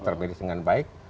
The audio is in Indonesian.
terpedis dengan baik